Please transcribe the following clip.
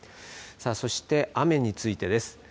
そして、雨についてです。